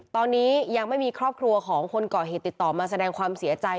ตอนนี้ยังไม่มีครอบครัวของคนก่อเหตุติดต่อมาแสดงความเสียใจ